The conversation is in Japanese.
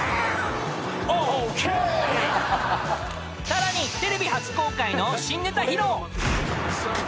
［さらにテレビ初公開の新ネタ披露］